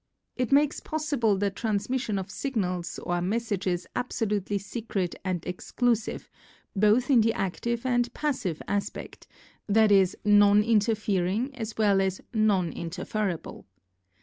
It makes possible the transmission of signals or mes sages absolutely secret and exclusive both in the active and passive aspect, that is, non interfering as well as non interf erable.